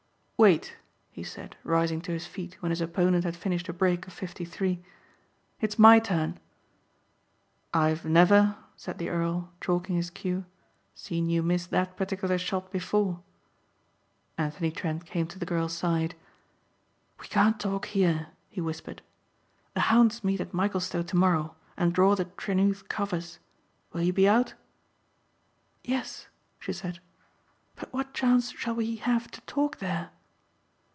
"Wait," he said rising to his feet when his opponent had finished a break of fifty three. "It's my turn." "I have never," said the earl, chalking his cue, "seen you miss that particular shot before." Anthony Trent came to the girl's side. "We can't talk here," he whispered. "The hounds meet at Michaelstowe tomorrow and draw the Trenewth covers. Will you be out?" "Yes," she said, "but what chance shall we have to talk there?"